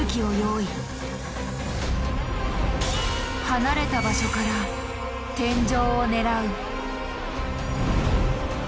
離れた場所から天井を狙う。